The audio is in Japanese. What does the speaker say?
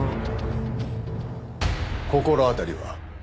心当たりは？